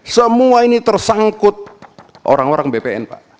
semua ini tersangkut orang orang bpn pak